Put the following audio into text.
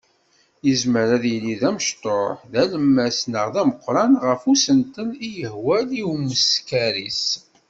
Yezmer ad yili d amecṭuḥ, d alemmas neɣ d ameqqran ɣef usentel i yehwan i umeskar-is.